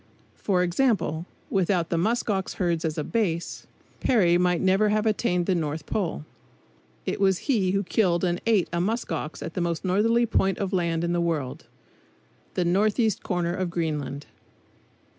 For example, without the musk ox herds as a base, Peary might never have attained the North Pole. It was he who killed and ate a musk ox at the most northerly point of land in the world, the northeast corner of Greenland.